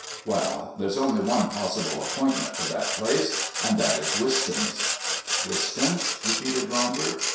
"Well, there's only one possible appointment for that place, and that is Wistons." "Wistons?" repeated Ronder.